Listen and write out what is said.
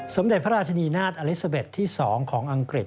สมเด็จพระราชนีนาฏอลิซาเบ็ดที่๒ของอังกฤษ